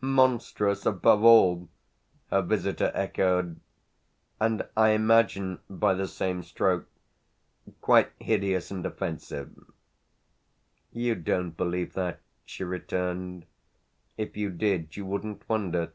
"Monstrous above all!" her visitor echoed; "and I imagine, by the same stroke, quite hideous and offensive." "You don't believe that," she returned; "if you did you wouldn't wonder.